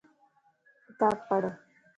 کتاب پڙھ